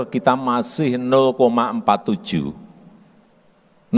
dokter yang kurang dokter spesialis yang kurang